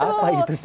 apa itu sih